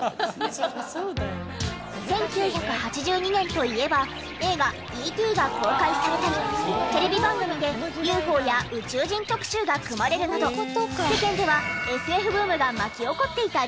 １９８２年といえば映画『Ｅ．Ｔ．』が公開されたりテレビ番組でＵＦＯや宇宙人特集が組まれるなど世間ではＳＦブームが巻き起こっていた時代。